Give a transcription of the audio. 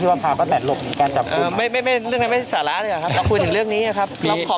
สวัสดีสวัสดีครับ